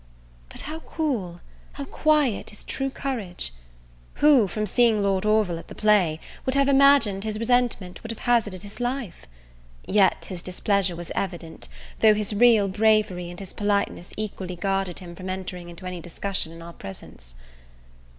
But how cool, how quiet is true courage! Who, from seeing Lord Orville at the play, would have imagined his resentment would have hazarded his life? yet his displeasure was evident, though his real bravery and his politeness equally guarded him from entering into any discussion in our presence.